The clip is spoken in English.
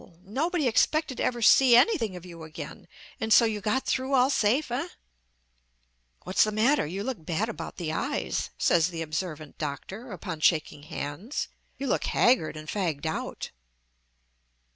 nobody expected to ever see anything of you again; and so you got through all safe, eh?" "What's the matter? you look bad about the eyes," says the observant doctor, upon shaking hands; "you look haggard and fagged out."